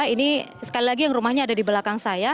ini sekali lagi yang rumahnya ada di belakang saya